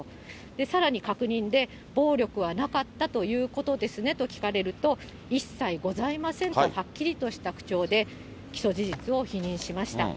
さらに確認で、暴力はなかったということですね？と聞かれると、一切ございませんと、はっきりとした口調で、起訴事実を否認しました。